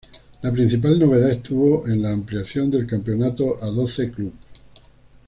La principal novedad estuvo en la ampliación del campeonato a doce clubes.